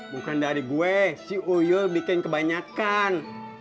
bukan dari gue si uyul bikin kebanyakan